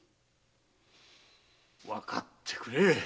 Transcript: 〔わかってくれ。